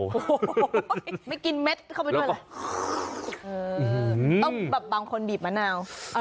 โอ้โหไม่กินเม็ดเข้าไปด้วยเลยต้องแบบบางคนบีบมะนาว